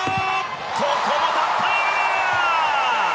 ここは立った！